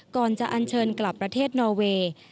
ก่อนจะอันเชิญกลับประเทศนอเวย์